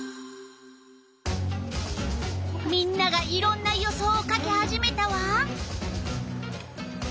みんながいろんな予想を書き始めたわ。